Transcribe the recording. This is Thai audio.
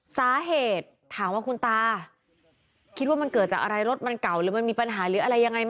สาเหตุถามว่าคุณตาคิดว่ามันเกิดจากอะไรรถมันเก่าหรือมันมีปัญหาหรืออะไรยังไงไหม